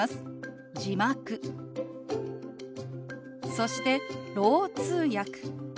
そして「ろう通訳」。